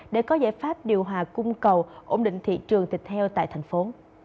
để có giải pháp điều hòa cung cầu ổn định thị trường thịt heo tại thành phố